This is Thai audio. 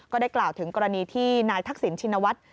ก็ได้กล่าวถึงกรณีที่นายทักษิณชินวัฒน์